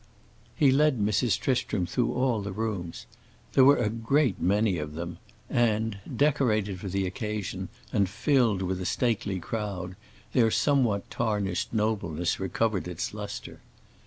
He led Mrs. Tristram through all the rooms. There were a great many of them, and, decorated for the occasion and filled with a stately crowd, their somewhat tarnished nobleness recovered its lustre.